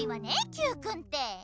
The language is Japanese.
Ｑくんて。